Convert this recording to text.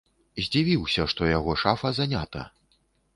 Здзівіўся, што яго шафа занята.